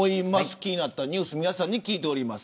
気になったニュース皆さんに聞いております。